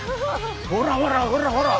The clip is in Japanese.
ほらほらほらほら！